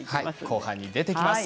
後半に出てきます。